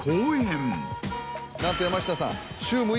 なんと山下さん。